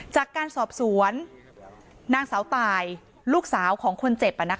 จากการสอบสวนนางสาวตายลูกสาวของคนเจ็บ